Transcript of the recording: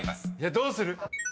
どうする？